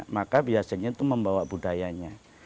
maka biasanya itu membawa budayanya